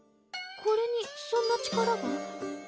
これにそんな力が？